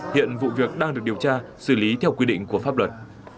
hiện vụ việc đang được điều tra xử lý theo quy định của pháp luật